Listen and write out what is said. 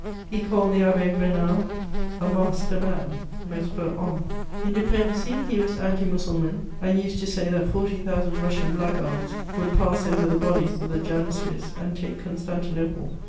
He called the Abb^ Rayi^al a tnaster man (naitre homme). In diplomacy, he was Anti Mussulman, and used to say that foity thousand Ruasian blackguards would pass over the bodies of the Janissaries, and take Constantinople.